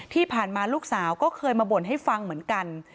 ที่ผ่านมาลูกสาวก็เคยมาบ่นให้ฟังเหมือนกัน